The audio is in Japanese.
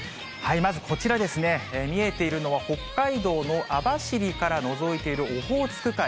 まずこちらですね、見えているのは、北海道の網走からのぞいているオホーツク海。